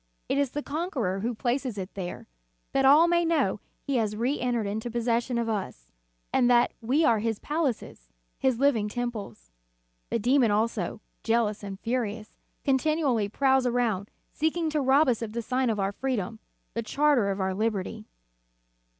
It is the Conqueror who places it there, that all may know He has reentered into possession of us, and that we are His palaces, His liv ing temples. The demon also, jealous and furious, continually prowls around, seeking to rob us of the sign of our freedom, the charter of our liberty."